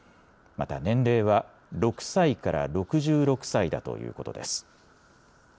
また年齢は６歳から６６歳だということです。